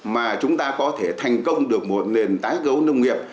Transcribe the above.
mà chúng ta có thể thành công được một nền tái cấu nông nghiệp